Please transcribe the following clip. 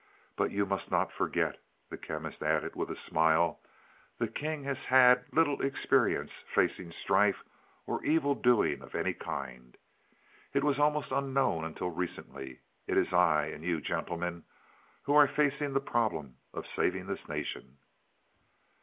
But you must not forget," the Chemist added with a smile, "the king has had little experience facing strife or evil doing of any kind. It was almost unknown until recently. It is I, and you, gentlemen, who are facing the problem of saving this nation."